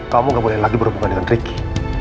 kamu nggak boleh lagi berhubungan dengan riki